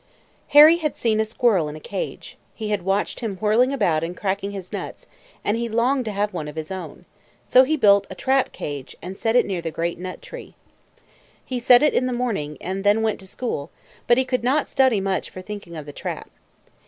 Henry had seen a squirrel in a cage; he had watched him whirling about and cracking his nuts, and he longed to have one of his own; so he built a trap cage, and set it near the great nut tree. He set it in the morning, and then went to school, but he could not study much for thinking of the trap.